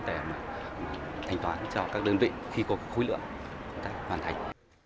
để mà hành toán cho các đơn vị khi có cái khối lượng hoàn thành